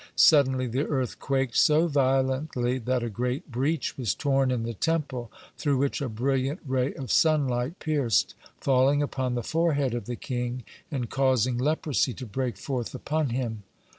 Suddenly the earth quaked so violently that a great breach was torn in the Temple, through which a brilliant ray of sunlight pierced, falling upon the forehead of the king and causing leprosy to break forth upon him.